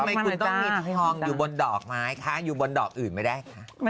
ทำไมคุณต้องมีทองอยู่บนดอกไม้คะอยู่บนดอกอื่นไม่ได้คะ